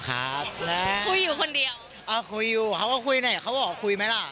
ก็คุยอยู่ครับ